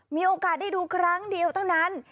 มีโอกาสได้ดูครั้งเดียวเท่านั้น